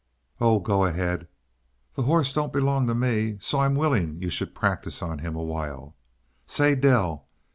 "Oh, go ahead. The horse don't belong to ME, so I'm willing you should practice on him a while. Say! Dell!